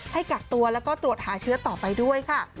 ให้กักตัวแล้วก็ตรวจหาเชื้อต่อไปด้วยค่ะ